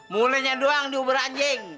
mulainya doang di uber anjing